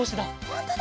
ほんとだ。